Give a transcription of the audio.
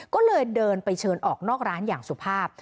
ก็เลยเดินไปเชิญออกนอกร้านอย่างสุภาพ